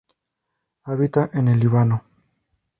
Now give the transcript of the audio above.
Habita en el Líbano.